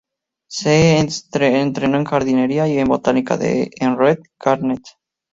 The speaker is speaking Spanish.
Se entrenó en jardinería y en botánica en Kew Gardens.